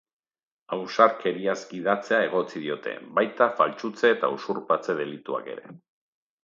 Ausarkeriaz gidatzea egotzi diote, baita faltsutze eta usurpatze delituak ere.